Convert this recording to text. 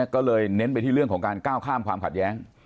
ก็เลยเน้นไปที่เรื่องของการก้าวข้ามความขัดแย้ง